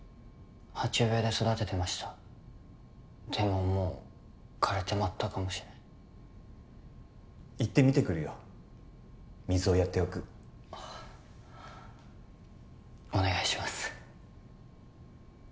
鉢植えで育ててましたでももう枯れてまったかもしれん行って見てくるよ水をやっておくお願いします